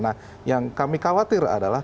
nah yang kami khawatir adalah